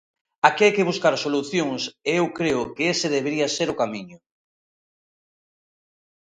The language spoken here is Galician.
Aquí hai que buscar solucións e eu creo que ese debería ser o camiño.